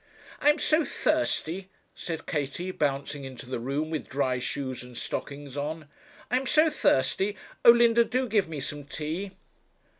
'I am so thirsty,' said Katie, bouncing into the room with dry shoes and stockings on. 'I am so thirsty. Oh, Linda, do give me some tea.'